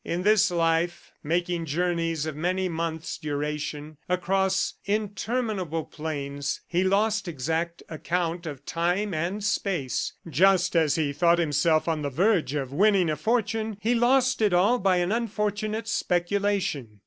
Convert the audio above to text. In this life, making journeys of many months' duration, across interminable plains, he lost exact account of time and space. Just as he thought himself on the verge of winning a fortune, he lost it all by an unfortunate speculation.